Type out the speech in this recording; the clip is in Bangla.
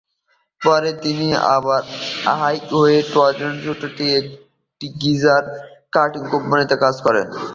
পরে, তিনি আবার ওহাইওর টলেডোতে একটা গিয়ার-কাটিং কোম্পানিতে কাজ করেন।